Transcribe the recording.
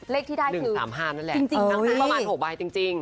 เลขที่ได้๑๓๕นั่นแหละทั้งนี้ประมาณ๖ใบจริง